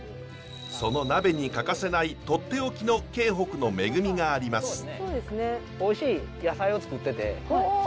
その鍋に欠かせないとっておきの京北の恵みがあります。